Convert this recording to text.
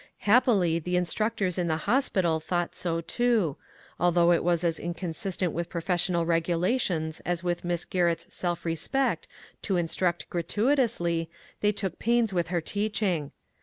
Happily the instructors in the hospital thought so too ; although it was as inconsistent with profes sional regulations as with Miss Garrett^s self respect to in struct gratuitously, they took pains with her teaching.